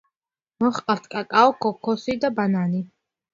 მოჰყავთ კაკაო, ქოქოსი და ბანანი.